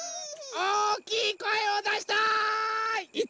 おおきいこえをだしたい！